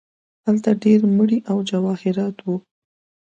هلته ډیر مړي او جواهرات وو.